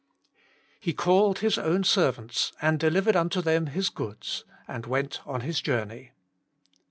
' He called his ozvn servants and delivered unto them his goods, and zvent on his jour ney.'